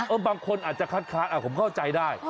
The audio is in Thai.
บางคนอาจจะคัดค้านผมเข้าใจได้